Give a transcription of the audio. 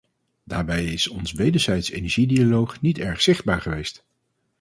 Daarbij is ons wederzijdse energiedialoog niet erg zichtbaar geweest.